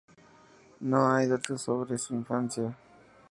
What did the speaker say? No hay datos sobre su infancia.